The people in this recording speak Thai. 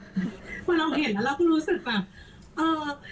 พอเราเห็นแล้วเราก็รู้สึกแบบเอ่อ